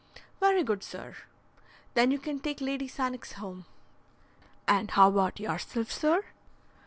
"Very good, sir." "Then you can take Lady Sannox home." "And how about yourself, sir?"